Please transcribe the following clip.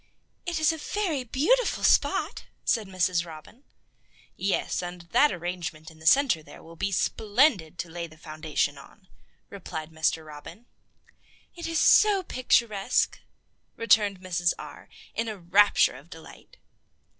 "It is a very beautiful spot," said Mrs. Robin. "Yes, and that arrangement in the center there will be splendid to lay the foundation on," replied Mr. Robin. "It is so picturesque," returned Mrs. R., in a rapture of delight.